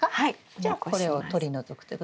じゃあこれを取り除くということですね。